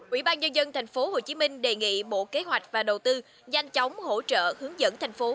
ubnd tp hcm đề nghị bộ kế hoạch và đầu tư nhanh chóng hỗ trợ hướng dẫn thành phố